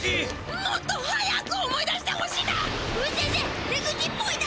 もっと早く思い出してほしいだ！